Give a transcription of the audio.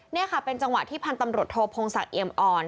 นี่ค่ะเป็นจังหวะที่พันธ์ตำรวจโทพงศักดิ์เอี่ยมอ่อน